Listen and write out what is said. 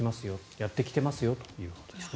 やってきていますよということですね。